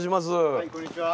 はいこんにちは。